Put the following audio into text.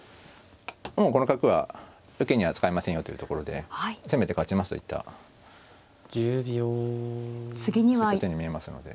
もうこの角は受けには使いませんよというところで攻めて勝ちますといったそういった手に見えますので。